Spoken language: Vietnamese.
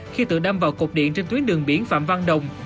khi tự đâm vào cột điện trên tuyến đường biển phạm văn đồng